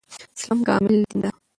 اسلام کامل دين ده